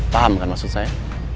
paham kan maksud saya